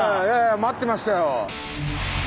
待ってましたよ！